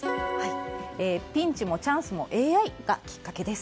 ピンチもチャンスもＡＩがきっかけです。